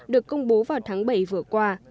được công bố vào tháng bảy vừa qua